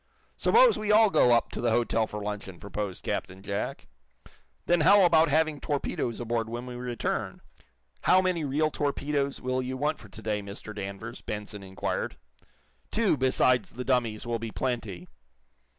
"Suppose we all go up to the hotel for luncheon!" proposed Captain Jack. "Then how about having torpedoes aboard when we return?" "How many real torpedoes will you want for to day, Mr. Danvers?" Benson inquired. "Two, besides the dummies, will be plenty."